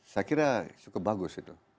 saya kira cukup bagus itu